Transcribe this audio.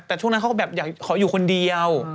แต่ช่วงนั้นเขาก็แบบอยากขออยู่คนเดียว